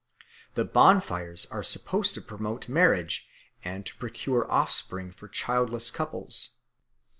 The bonfires are supposed to promote marriage and to procure offspring for childless couples.